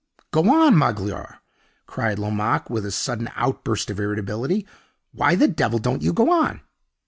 "Go on, Magloire!" cried Lomaque, with a sudden outburst of irritability. "Why the devil don't you go on?"